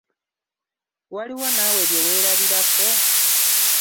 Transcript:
Waliwo naawe bye weerabirako?